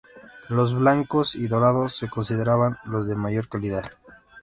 Los blancos y dorados se consideraban los de mayor calidad.